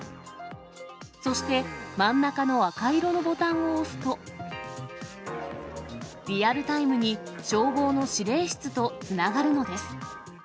そして真ん中の赤色のボタンを押すと、リアルタイムに消防の指令室とつながるのです。